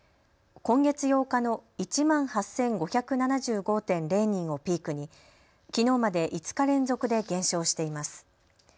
今月８日の１万８５７５．０人をピークにきのうまで５日連続で減少しています。